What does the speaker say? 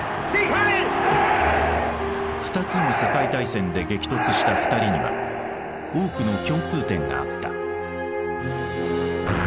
２つの世界大戦で激突した２人には多くの共通点があった。